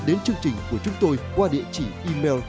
đến chương trình của chúng tôi qua địa chỉ email